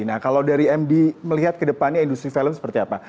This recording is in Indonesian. nah kalau dari md melihat ke depannya industri film seperti apa